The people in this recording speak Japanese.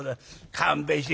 勘弁して」。